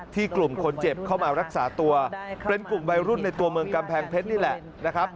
กลุ่มคนเจ็บเข้ามารักษาตัวเป็นกลุ่มวัยรุ่นในตัวเมืองกำแพงเพชรนี่แหละนะครับ